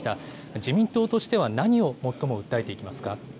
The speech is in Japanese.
自民党としては、何を最も訴えていきますか。